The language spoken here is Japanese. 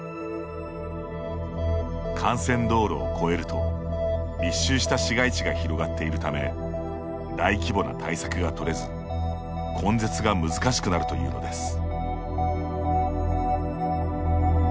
幹線道路を越えると密集した市街地が広がっているため大規模な対策が取れず根絶が難しくなるというのです。